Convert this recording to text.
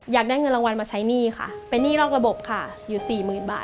อยากได้เงินรางวัลมาใช้หนี้ค่ะเป็นหนี้นอกระบบค่ะอยู่สี่หมื่นบาท